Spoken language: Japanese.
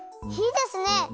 いいですね！